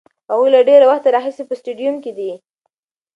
هغوی له ډېر وخته راهیسې په سټډیوم کې دي.